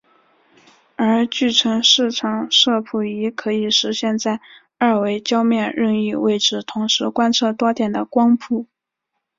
而集成视场摄谱仪可以实现在二维焦面任意位置同时观测多点的光谱。